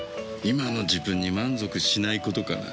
今の自分に満足しないことかな。